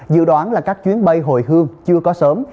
dự đoán là các chuyến bay hồi hương chưa có sớm